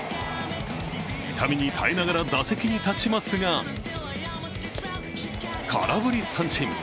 痛みに耐えながら打席に立ちますが空振り三振。